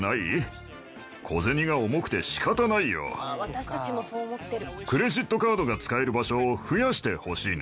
私たちもそう思ってる。